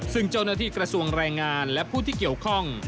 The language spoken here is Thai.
ซึ่งเจ้าหน้าที่กระทรวงแรงงานและผู้ที่เกี่ยวข้อง